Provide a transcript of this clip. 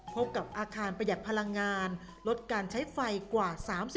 พบกับอาคารประหยัดพลังงานลดการใช้ไฟกว่า๓๐